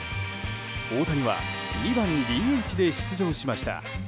大谷は２番ＤＨで出場しました。